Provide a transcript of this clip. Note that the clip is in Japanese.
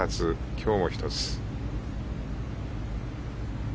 今日も１つ。